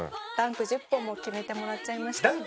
ダンク１０本も決めてもらっちゃいました。